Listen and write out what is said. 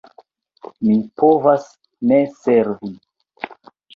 Mi povas ne servi.